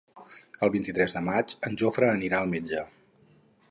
El vint-i-tres de maig en Jofre anirà al metge.